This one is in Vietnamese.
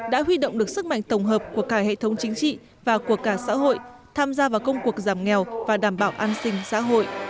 đã huy động được sức mạnh tổng hợp của cả hệ thống chính trị và của cả xã hội tham gia vào công cuộc giảm nghèo và đảm bảo an sinh xã hội